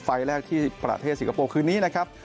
แรกที่ประเทศสิงคโปร์คืนนี้นะครับ